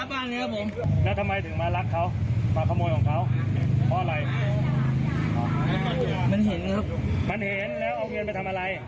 มันเห็นครับมันเห็นแล้วเอาเงินไปทำอะไร